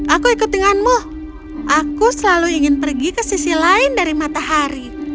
aku ikut denganmu aku selalu ingin pergi ke sisi lain dari matahari